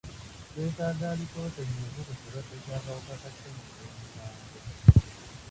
Twetaaga alipoota ennyuvu ku kirwadde Ky'akawuka ka ssenyiga omukambwe.